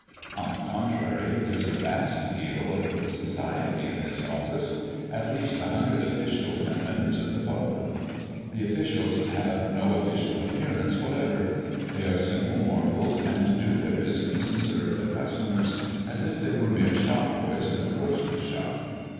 On the contrary, there's a vast deal of good society in this office: at least a hundred officials and members of the public. The officials have no official appearance whatever; they are simple mortals, and do their business and serve their customers as if they were mere shopboys in a grocery shop.